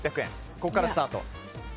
ここからスタートですね。